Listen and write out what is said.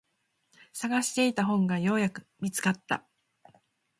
探していた本がようやく見つかった。